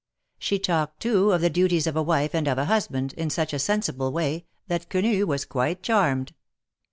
She talked too, of the duties of a wife and of a husband, in such a sensible way, that Quenu was quite charmed.